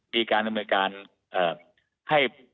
มีการนำเนิดการเอ่อให้